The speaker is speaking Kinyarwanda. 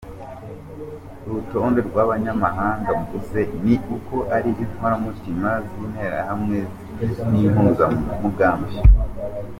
Urutonde rw’abo banyamahanga mvuze ni uko ari inkoramutima z’Interahamwe n’Impuzamugambi.